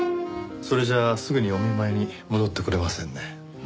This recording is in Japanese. それじゃあすぐにお見舞いに戻って来れませんね。